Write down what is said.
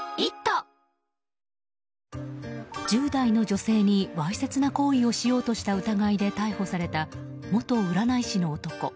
１０代の女性にわいせつな行為をしようとした疑いで逮捕された元占い師の男。